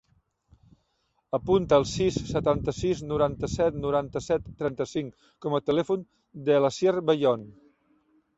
Apunta el sis, setanta-sis, noranta-set, noranta-set, trenta-cinc com a telèfon de l'Asier Bellon.